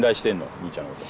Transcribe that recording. お兄ちゃんのこと。